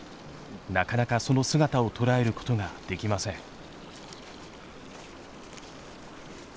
なかなかその姿を捉えることができません。